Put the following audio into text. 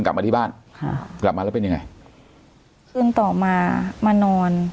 กลับมาที่บ้านค่ะกลับมาแล้วเป็นยังไงคืนต่อมามานอน